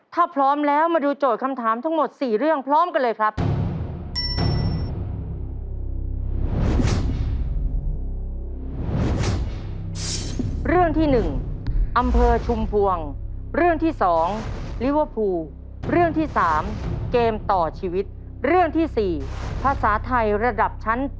ถ้าพร้อมแล้วมาดูโจทย์คำถามทั้งหมด๔เรื่องพร้อมกันเลยครับ